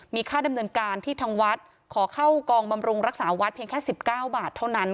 มีค่าดำเนินการที่ทางวัดขอเข้ากองบำรุงรักษาวัดเพียงแค่๑๙บาทเท่านั้น